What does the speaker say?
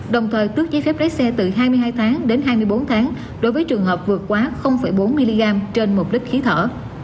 đồng thời tước giấy phép lái xe từ hai mươi hai tháng đến hai mươi bốn tháng đối với trường hợp vượt quá bốn mg trên một lít khí thở